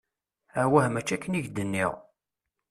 Awah mačči akken i k-d-nniɣ!